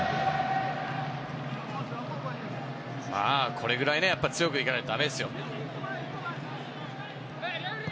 これぐらい強く行かないとだめですよ。